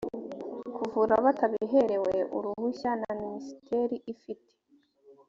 kuvura batabiherewe uruhushya na ministeri ifite